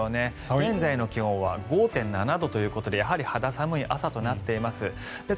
現在の気温は５．７度ということでやはり肌寒い朝となっています。